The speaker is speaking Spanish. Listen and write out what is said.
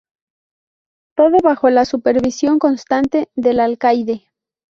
Todo bajo la supervisión constante del alcaide.